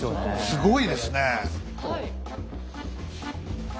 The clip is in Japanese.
すごいですね！